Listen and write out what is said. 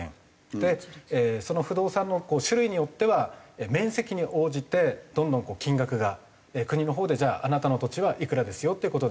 その不動産の種類によっては面積に応じてどんどん金額が国の方でじゃああなたの土地はいくらですよっていう事で。